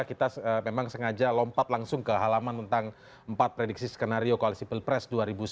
kita memang sengaja lompat langsung ke halaman tentang empat prediksi skenario koalisi pilpres dua ribu sembilan belas